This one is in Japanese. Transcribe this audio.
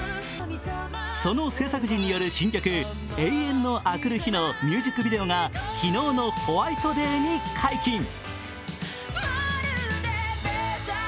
その制作陣による新曲、「永遠のあくる日」のミュージックビデオが昨日のホワイトデーに解禁。